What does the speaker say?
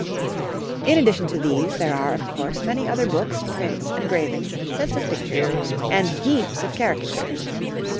In addition to these, there are, of course, many other books, prints, engravings, sets of pictures, and heaps of caricatures.